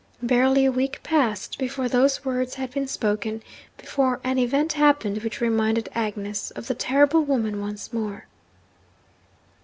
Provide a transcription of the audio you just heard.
Barely a week passed after those words had been spoken, before an event happened which reminded Agnes of 'the terrible woman' once more.